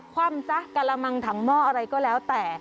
คว่ำซะกระมังถังหม้ออะไรก็แล้วแต่